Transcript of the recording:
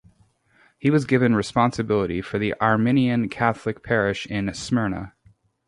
He was given responsibility for the Armenian Catholic parish in Smyrna.